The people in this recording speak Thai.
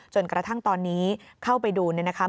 จนกระทั่งตอนนี้เข้าไปดูเนี่ยนะคะ